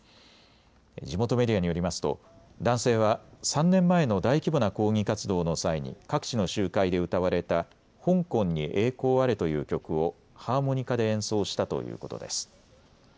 地元メディアによりますと男性は３年前の大規模な抗議活動の際に各地の集会で歌われた香港に栄光あれという曲をハーモニカで演奏したということです。